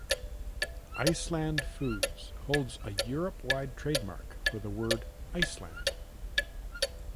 Iceland Foods holds a Europe-wide trademark for the word "Iceland".